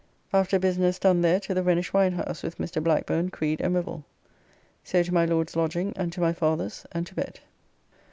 After business done there to the Rhenish wine house with Mr. Blackburne, Creed, and Wivell. So to my Lord's lodging and to my father's, and to bed.